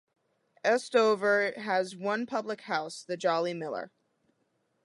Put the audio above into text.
Estover has one public house, The Jolly Miller.